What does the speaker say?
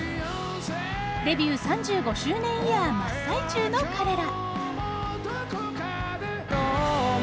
デビュー３５周年イヤー真っ最中の彼ら。